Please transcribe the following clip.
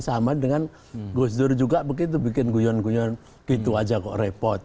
sama dengan gus dur juga begitu bikin guyon guyon gitu aja kok repot